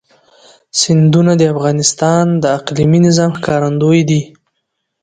سیندونه د افغانستان د اقلیمي نظام ښکارندوی ده.